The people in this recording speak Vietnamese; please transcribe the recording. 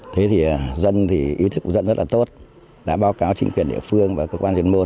thế thì dân thì ý thức của dân rất là tốt đã báo cáo chính quyền địa phương và cơ quan chuyên môn